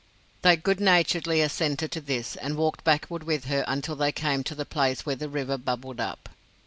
They good naturedly assented to this, and walked backward with her until they came to the place where the river bubbled up.